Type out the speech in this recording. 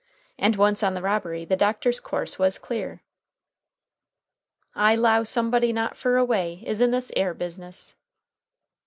And once on the robbery the doctor's course was clear. "I 'low somebody not fur away is in this 'ere business!"